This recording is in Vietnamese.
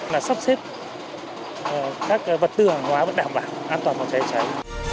là sắp xếp các vật tư hàng hóa vẫn đảm bảo an toàn phòng cháy cháy